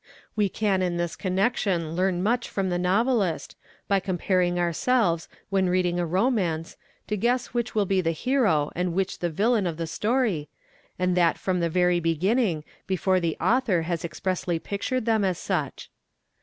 We can in this connection learn much from the novelist, by compelling ourselves when reading a romance to guess which will be the hero and which the villain of the story, and that from the THE LYING WITNESS 103 _ very beginning before the author has expressly pictured them as such.